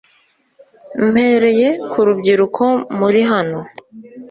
mpereye ku rubyiruko muri hano